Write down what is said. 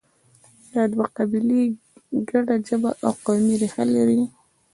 دا دوه قبیلې ګډه ژبه او قومي ریښه لري.